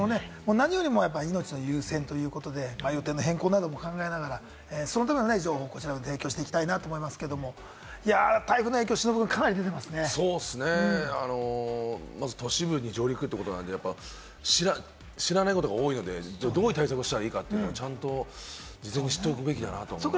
何よりも命を優先ということで、予定の変更なども考えながら、そのための情報をこちらも提供していきたいなと思いますけれど、まず都市部に上陸ということは知らないことが多いので、どういう対策をしたらいいのか、ちゃんと事前に知っておくべきだなと思いますね。